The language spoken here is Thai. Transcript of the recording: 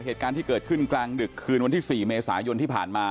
เหตุการณ์ที่เกิดขึ้นกลางดึกคืนวันที่๔เมษายนที่ผ่านมา